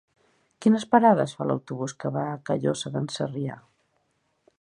Quines parades fa l'autobús que va a Callosa d'en Sarrià?